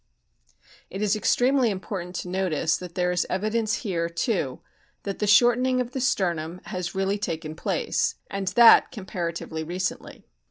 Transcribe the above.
It is extremely important to notice that there is evidence here too that the shortening of the sternum has really taken place, and that comparatively recently.